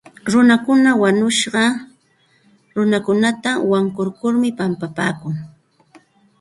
Runakuna wañushqa runakunata wankurkurmi pampapaakun.